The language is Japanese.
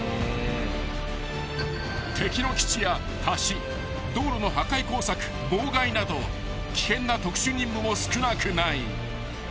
［敵の基地や橋道路の破壊工作妨害など危険な特殊任務も少なくない］